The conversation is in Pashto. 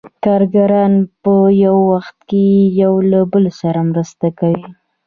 کارګران په یو وخت کې یو له بل سره مرسته کوي